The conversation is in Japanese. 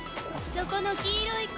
そこの黄色い子。